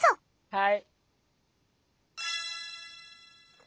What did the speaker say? はい。